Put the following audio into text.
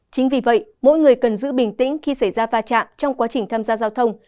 chính vì vậy mỗi người cần giữ bình tĩnh khi xảy ra va chạm trong quá trình tham gia giao thông